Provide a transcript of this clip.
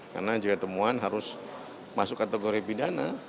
karena juga temuan harus masuk kategori pidana